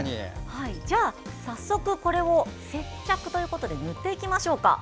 じゃあ早速、これを接着という形で塗っていきましょうか。